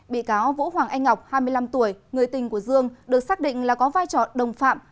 bị cáo vũ hoàng anh ngọc hai mươi năm tuổi người tình của dương được xác định là có vai trò đồng phạm